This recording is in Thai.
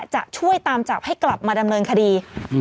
จะช่วยตามจับให้กลับมาดำเนินคดี